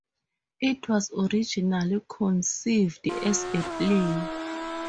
It was originally conceived as a play.